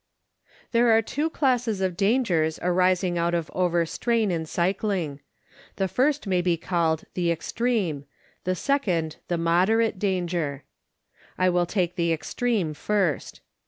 There are two classes of dangers arising out of overstrain in cycling : the first may be called the extreme, the second the mod erate danger. I will take the extreme first.